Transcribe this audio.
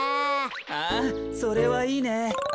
ああそれはいいね。